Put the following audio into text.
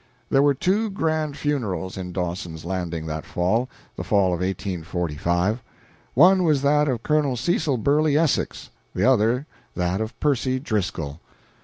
There were two grand funerals in Dawson's Landing that fall the fall of 1845. One was that of Colonel Cecil Burleigh Essex, the other that of Percy Driscoll.